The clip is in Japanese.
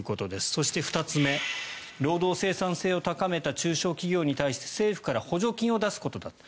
そして２つ目労働生産性を高めた中小企業に対して政府から補助金を出すことだと。